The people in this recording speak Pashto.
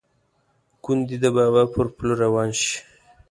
ګوندې د بابا پر پله روان شي.